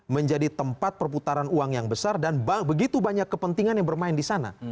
menjadi tempat perputaran uang yang besar dan begitu banyak kepentingan yang bermain di sana